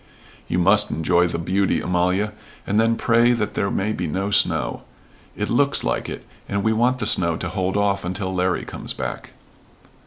"You must enjoy the beauty, Amalia, and then pray that there may be no snow. It looks like it, and we want the snow to hold off until Larry comes back."